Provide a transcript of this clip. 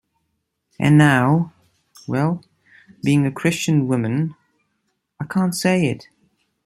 And now...well, being a Christian woman, I can't say it!